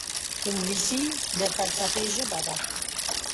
انګلیسي د فلسفې ژبه ده